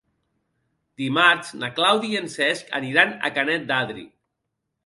Dimarts na Clàudia i en Cesc aniran a Canet d'Adri.